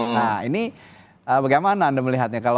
nah ini bagaimana anda melihatnya